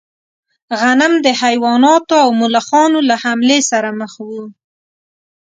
غنم د حیواناتو او ملخانو له حملې سره مخ و.